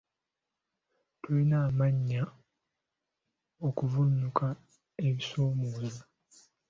Tulina amaanyi okuvvuunuka ebisoomooza.